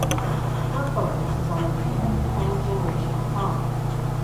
Her focus is on the treatment of transgenerational trauma.